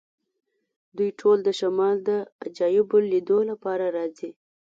دوی ټول د شمال د عجایبو لیدلو لپاره راځي